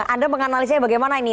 anda menganalisnya bagaimana ini